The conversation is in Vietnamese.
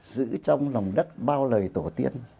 giữ trong lòng đất bao lời tổ tiên